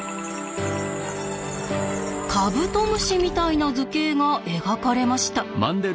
カブトムシみたいな図形が描かれました。